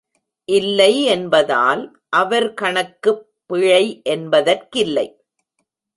இல்லை என்பதால் அவர்கணக்கு பிழை என்பதற்கில்லை.